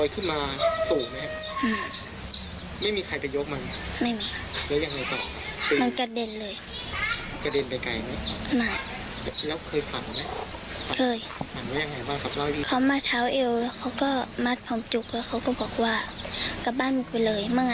ตู้เย็นเหรอคะใช่คือมันก็